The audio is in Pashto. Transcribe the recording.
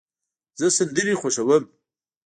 زه سندرې خوښوم.